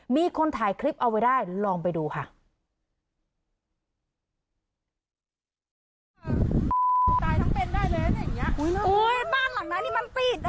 มีคนถ่ายคลิปเอาไว้ได้ลองไปดูค่ะ